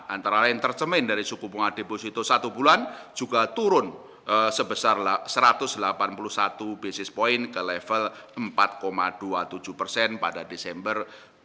antara lain tercemin dari suku bunga deposito satu bulan juga turun sebesar satu ratus delapan puluh satu basis point ke level empat dua puluh tujuh persen pada desember dua ribu dua puluh